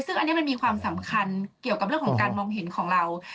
ซึ่งอันนี้มันมีความสำคัญเกี่ยวกับเรื่องของการมองเห็นของเรา